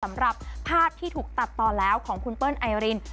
สำหรับภาพที่ถูกตัดต่อแล้วของคุณเปิ้ลไอริน